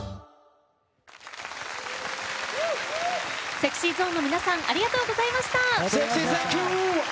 ＳｅｘｙＺｏｎｅの皆さんありがとうございました。